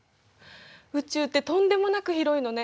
宇宙ってとんでもなく広いのね。